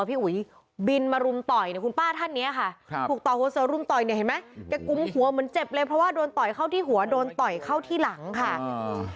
พี่อุ๋ยบินมารุมต่อยเนี่ยคุณป้าท่านเนี้ยค่ะครับถูกต่อหัวเสือรุมต่อยเนี่ยเห็นไหมแกกุมหัวเหมือนเจ็บเลยเพราะว่าโดนต่อยเข้าที่หัวโดนต่อยเข้าที่หลังค่ะอ่า